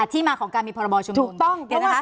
ที่มาของการมีพรบชุมนุม